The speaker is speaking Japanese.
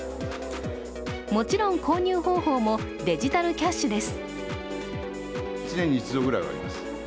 もちろん購入方法もデジタルキャッシュです。